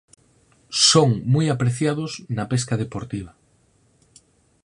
Son moi apreciados na pesca deportiva.